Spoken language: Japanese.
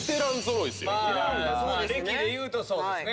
歴でいうとそうですね。